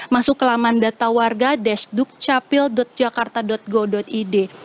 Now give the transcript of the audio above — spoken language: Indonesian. masuk ke laman data warga dukcapil jakarta go id